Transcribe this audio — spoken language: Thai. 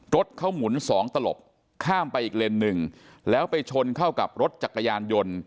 รถเขาหมุนสองตลบข้ามไปอีกเลนส์หนึ่งแล้วไปชนเข้ากับรถจักรยานยนต์